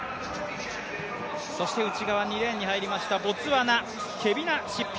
内側２レーンに入りましたボツワナ、ケビナシッピ。